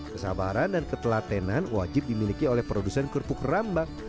kesabaran dan ketelatenan wajib dimiliki oleh produsen kerupuk rambak